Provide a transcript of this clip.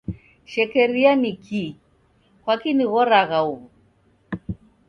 Shekeria ni kii? Kwaki nighoragha huw'o?